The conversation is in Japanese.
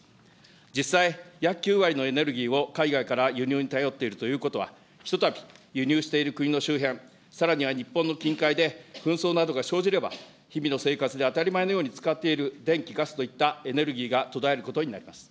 実際、約９割のエネルギーを海外から輸入に頼っているということは、ひとたび輸入している国の周辺、さらには日本の近海で紛争などが生じれば、日々の生活で当たり前のように使っている電気、ガスといったエネルギーが途絶えることになります。